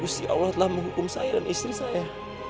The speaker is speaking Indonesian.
usia allah telah menghukum saya dan istri saya